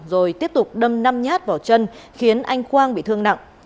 rồi tiếp tục đâm năm nhát vào chân khiến anh khoang bị thương nặng